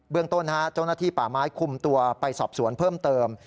ต้นเจ้าหน้าที่ป่าไม้คุมตัวไปสอบสวนเพิ่มเติม